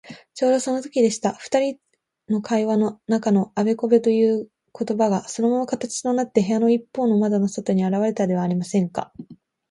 ちょうどそのときでした。ふたりの会話の中のあべこべということばが、そのまま形となって、部屋のいっぽうの窓の外にあらわれたではありませんか。